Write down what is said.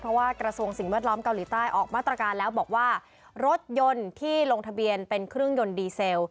เพราะว่ากระทรวงสิ่งแวดล้อมเกาหลีใต้ออกมาตรการแล้วบอกว่ารถยนต์ที่ลงทะเบียนเป็นเครื่องยนต์ดีเซล